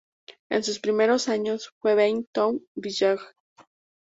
En sus primeros años, fue Bein Town Village.